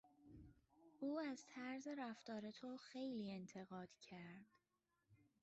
او از طرز رفتار تو خیلی انتقاد کرد.